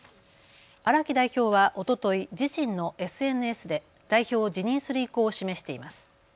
荒木代表はおととい、自身のＳＮＳで代表を辞任する意向を示しています。